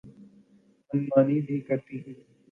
من مانی بھی کرتی ہوں۔